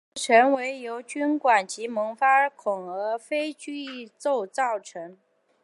子实层体由菌管及萌发孔而非菌褶构成。